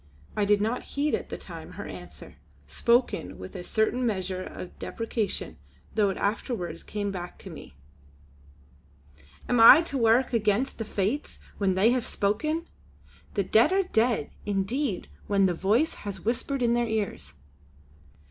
I did not heed at the time her answer, spoken with a certain measure of deprecation, though it afterwards came back to me: "Am I to wark against the Fates when They have spoken! The Dead are dead indeed when the Voice has whispered in their ears!"